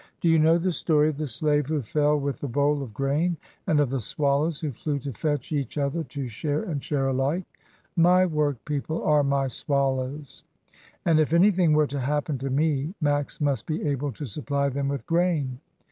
"Do you know the story of the slave who fell with the bowl of grain, and of the swallows who flew to fetch each other to share and share alike? My work people are my swallows, and if anything were to happen to me, Max must be able to supply them with grain.